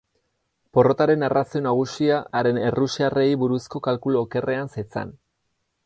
Porrotaren arrazoi nagusia haren errusiarrei buruzko kalkulu okerrean zetzan.